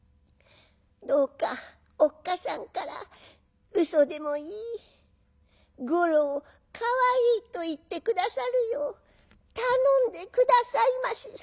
どうかおっかさんからうそでもいい『五郎かわいい』と言って下さるよう頼んで下さいまし」。